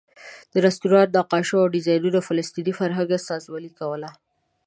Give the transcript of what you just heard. د رسټورانټ نقاشیو او ډیزاین فلسطیني فرهنګ استازولې کوله.